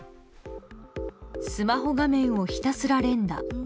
スマホ画面をひたすら連打。